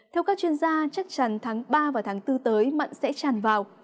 theo các chuyên gia chắc chắn tháng ba và tháng bốn tới mặn sẽ tràn vào